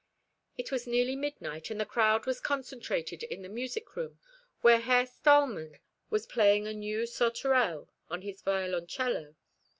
It was nearly midnight, and the crowd was concentrated in the music room, where Herr Stahlmann was playing a new Sauterelle on his violoncello.